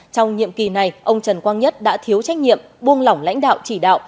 trong nhiệm kỳ này ông trần quang nhất đã thiếu trách nhiệm buông lỏng lãnh đạo chỉ đạo